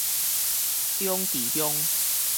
長治鄉